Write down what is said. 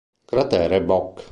Cratere Bok